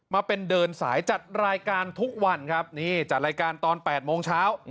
มาเป็นเดินสายจัดรายการทุกวันครับนี่จัดรายการตอน๘โมงเช้า